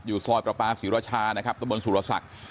ซอยประปาศรีรชานะครับตะบนสุรศักดิ์